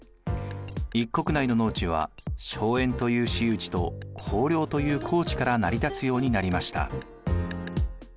一国内の農地は荘園という私有地と公領という公地から成り立つようになりました。